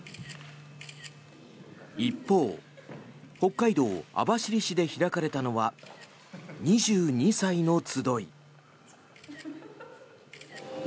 一方北海道網走市で開かれたのは２２歳の集い。